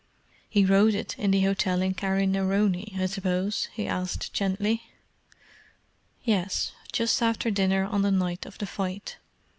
"He wrote it in the hotel in Carrignarone, I suppose?" he asked gently. "Yes; just after dinner on the night of the fight.